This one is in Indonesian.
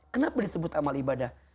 kenapa disebut amal ibadah